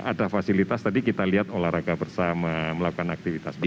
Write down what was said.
ada fasilitas tadi kita lihat olahraga bersama melakukan aktivitas bersama